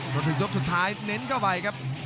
จนถึงยกสุดท้ายเน้นเข้าไปครับ